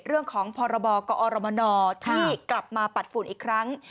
เรื่องของพรกอที่กลับมาปัดฝุ่นอีกครั้ง